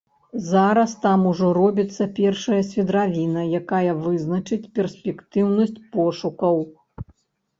Зараз там ужо робіцца першая свідравіна, якая вызначыць перспектыўнасць пошукаў.